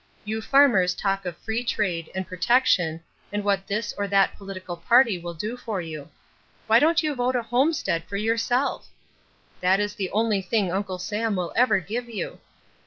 You farmers talk of free trade and protection and what this or that political party will do for you. Why don't you vote a homestead for yourself? That is the only thing Uncle Sam will ever give you.